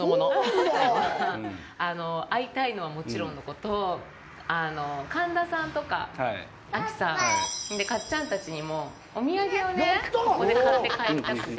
今回は、会いたいのはもちろんのこと、神田さんとか亜紀さん、かっちゃんたちにも、お土産をね、ここで買って帰りたくて。